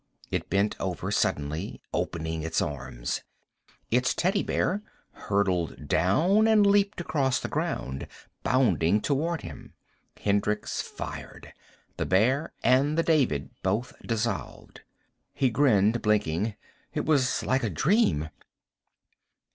It bent over suddenly, opening its arms. Its teddy bear hurtled down and leaped across the ground, bounding toward him. Hendricks fired. The bear and the David both dissolved. He grinned, blinking. It was like a dream.